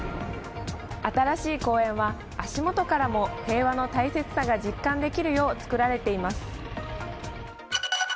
新しい公園は足元からも平和の大切さが実感できるよう作られています。